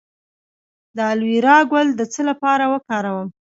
د الوویرا ګل د څه لپاره وکاروم؟